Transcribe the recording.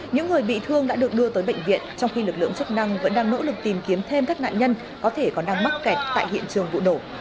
những người bị thương đã được đưa tới bệnh viện trong khi lực lượng chức năng vẫn đang nỗ lực tìm kiếm thêm các nạn nhân có thể còn đang mắc kẹt tại hiện trường vụ nổ